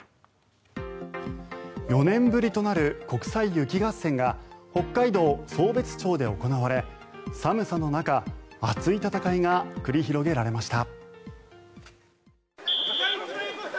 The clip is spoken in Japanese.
４年ぶりとなる国際雪合戦が北海道壮瞥町で行われ寒さの中熱い戦いが繰り広げられました。